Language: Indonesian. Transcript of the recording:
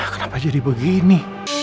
kenapa jadi begini